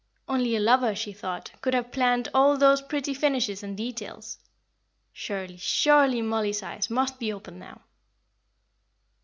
Only a lover, she thought, could have planned all those pretty finishes and details. Surely, surely Mollie's eyes must be opened now!